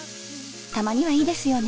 たまにはいいですよね